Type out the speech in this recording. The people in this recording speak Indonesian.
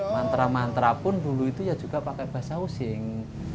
mantra mantra pun dulu itu ya juga pakai bahasa using